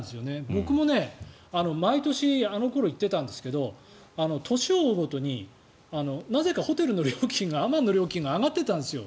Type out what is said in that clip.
僕も毎年、あの頃行っていたんですけど年を追うごとになぜかホテルの料金がアマンの料金が上がっていたんですよ。